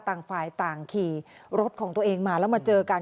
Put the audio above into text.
ต่างฝ่ายต่างขี่รถของตัวเองมาแล้วมาเจอกัน